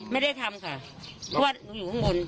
ไม่ได้ทำค่ะเพราะว่าหนูอยู่ข้างบน